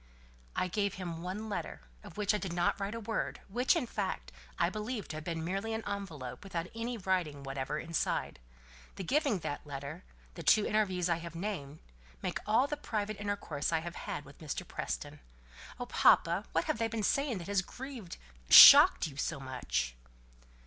"I gave him one letter, of which I did not write a word, which, in fact, I believe to have been merely an envelope, without any writing whatever inside. The giving that letter, the two interviews I have named, make all the private intercourse I have had with Mr. Preston. Oh! papa, what have they been saying that has grieved shocked you so much?"